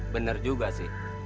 bener juga sih